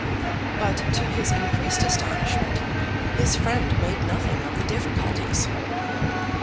But to his increased astonishment, his friend made nothing of the difficulties.